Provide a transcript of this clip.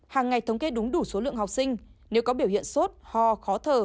hàng ngày thống kê đúng đủ số lượng học sinh nếu có biểu hiện sốt ho khó thở